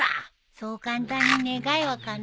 そう簡単に願いはかなわないよ。